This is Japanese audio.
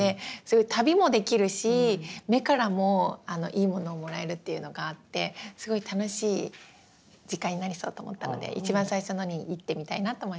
旅もできるし目からもいいものをもらえるっていうのがあってすごい楽しい時間になりそうと思ったので一番最初のに行ってみたいなと思います。